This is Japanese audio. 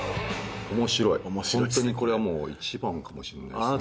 面白いホントにこれはもう１番かもしんないっすね